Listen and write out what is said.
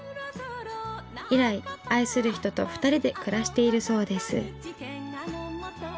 以来愛する人と２人で暮らしているそうです。